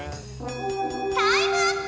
タイムアップ！